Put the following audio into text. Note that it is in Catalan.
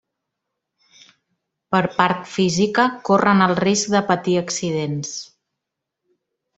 Per part física, corren el risc de patir accidents.